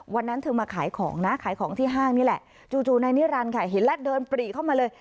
วันนั้นเธอมาขายของนะขายของที่ห้างนี่แหละจู่นายนิรันดิค่ะเห็นแล้วเดินปรีเข้ามาเลย